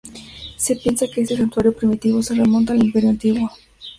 Se piensa que este santuario primitivo se remonta al Imperio Antiguo.